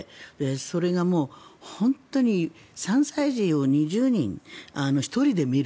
それがもう本当に３歳児を２０人１人で見る。